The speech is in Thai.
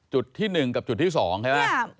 จุดที่หนึ่งกับจุดที่สองใช่ไหม